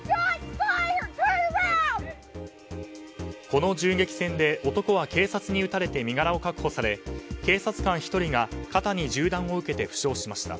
この銃撃戦で男は警察に撃たれて身柄を確保され警察官１人が肩に銃弾を受けて負傷しました。